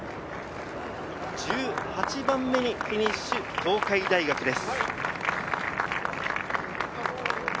１８番目にフィニッシュ、東海大学です。